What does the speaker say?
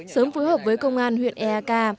sớm phối hợp với công an huyện eka